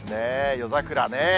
夜桜ね。